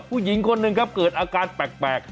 ผู้หญิงคนหนึ่งครับเกิดอาการแปลก